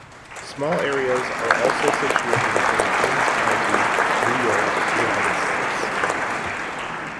Small areas are also situated within Queens County, New York, United States.